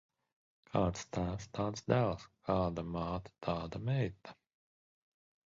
Kāds tēvs, tāds dēls; kāda māte, tāda meita.